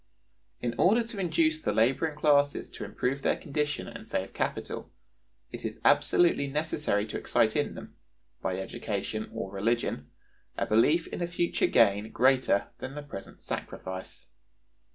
In order to induce the laboring classes to improve their condition and save capital, it is absolutely necessary to excite in them (by education or religion) a belief in a future gain greater than the present sacrifice.